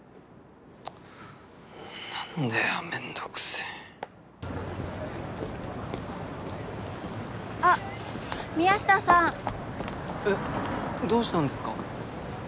なんだよめんどくせぇあっ宮下さんえっどうしたんですか？